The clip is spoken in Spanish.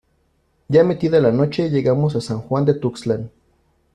ya metida la noche llegamos a San Juan de Tuxtlan.